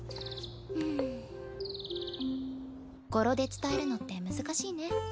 うん語呂で伝えるのって難しいね。